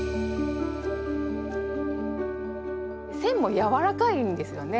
線もやわらかいんですよね